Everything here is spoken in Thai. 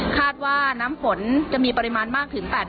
คาดว่าน้ำผลจะมีปริมาณมากถึง